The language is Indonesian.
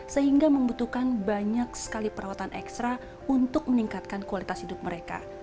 sehingga membutuhkan banyak sekali perawatan ekstra untuk meningkatkan kualitas hidup mereka